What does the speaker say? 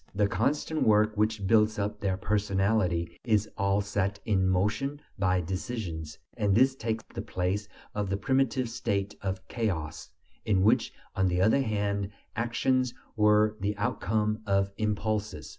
The constant work which builds up their personality is all set in motion by decisions; and this takes the place of the primitive state of chaos, in which, on the other hand, actions were the outcome of impulses.